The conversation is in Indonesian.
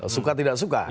suka tidak suka